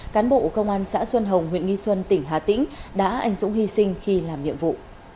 cán bộ công an xã xuân hồng huyện nghi xuân tỉnh hà tĩnh đã anh dũng hy sinh khi làm nhiệm vụ